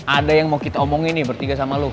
ada yang mau kita omongin nih bertiga sama lu